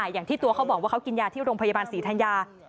อย่างที่ตัวเขาบอกว่าเขากินยาที่โรงพยาบาลศรีธัญญา